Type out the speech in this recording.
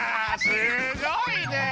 すごいね！